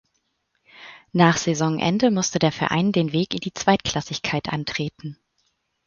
Nach Saisonende musste der Verein den Weg in die Zweitklassigkeit antreten.